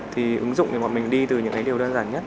thì ứng dụng để bọn mình đi từ những cái điều đơn giản nhất